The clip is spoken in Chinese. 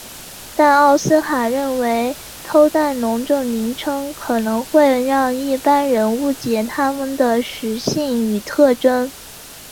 但奥斯本认为偷蛋龙这名称可能会让一般人误解它们的食性与特征。